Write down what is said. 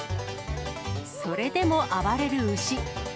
それでも暴れる牛。